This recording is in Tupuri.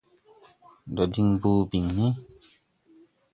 Ndɔ diŋ bɔɔ biŋni.